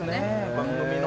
番組のね。